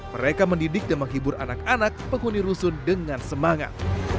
mereka mendidik dan menghibur anak anak penghuni rusun dengan semangat